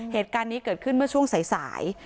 เหตุการณ์นี้เกิดขึ้นเมื่อช่วงสาย